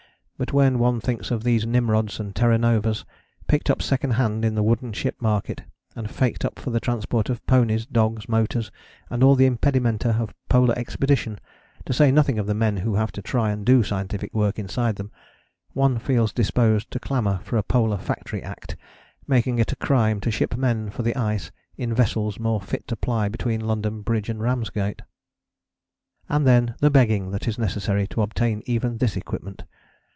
But when one thinks of these Nimrods and Terra Novas, picked up second hand in the wooden ship market, and faked up for the transport of ponies, dogs, motors, and all the impedimenta of a polar expedition, to say nothing of the men who have to try and do scientific work inside them, one feels disposed to clamour for a Polar Factory Act making it a crime to ship men for the ice in vessels more fit to ply between London Bridge and Ramsgate. And then the begging that is necessary to obtain even this equipment.